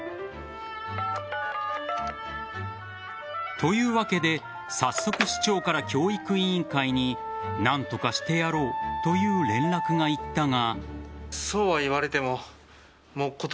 というわけで早速、市長から教育委員会に何とかしてやろうという連絡がいったが。